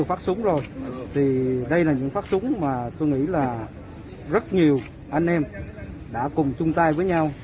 hôm nay lại cho bao nhiêu bệnh nhân ra việc ạ